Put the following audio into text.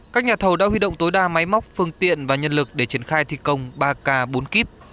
các nhà thầu đã huy động tối đa máy móc phương tiện và nhân lực để triển khai thi công ba k bốn k